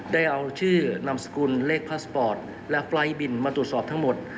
ได้เอาชื่อนามสกุลเลขพาสปอร์ตและไฟล์ทบินมาตรวจสอบทั้งหมด